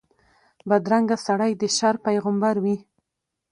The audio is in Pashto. بدرنګه سړی د شر پېغمبر وي